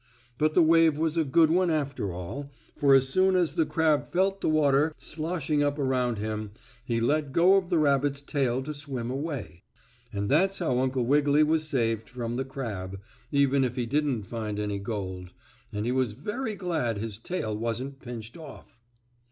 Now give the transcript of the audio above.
But the wave was a good one after all, for as soon as the crab felt the water sloshing up around him he let go of the rabbit's tail to swim away, and that's how Uncle Wiggily was saved from the crab, even if he didn't find any gold, and he was very glad his tail wasn't pinched off.